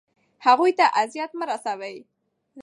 هغوی ته اذیت مه رسوئ.